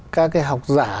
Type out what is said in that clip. các học giả